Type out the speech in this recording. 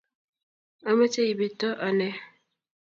ameche ibidto ane